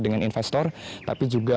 dengan investor tapi juga